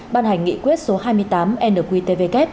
ban hành nghị quyết số hai mươi tám nqtvk